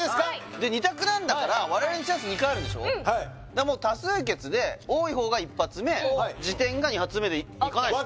で２択なんだから我々にだからもう多数決で多い方が１発目次点が２発目でいかないですか？